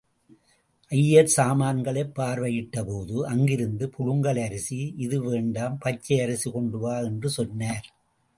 ஐயர் சாமான்களைப் பார்வையிட்ட போது அங்கிருந்தது புழுங்கல் அரிசி, இது வேண்டாம் பச்சரிசி கொண்டு வா —என்று சொன்னார்.